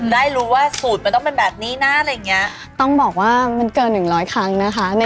เพราะยิ่งถ้าเกิดช่วงไหนมีคนสูดต่างชาตินะคะ